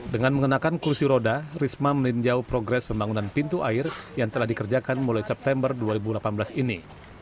dengan mengenakan kursi roda risma meninjau progres pembangunan pintu air yang telah dikerjakan mulai september dua ribu delapan belas ini